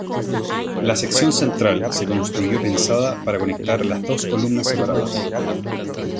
La sección central se construyó pensada para conectar las dos columnas separadas.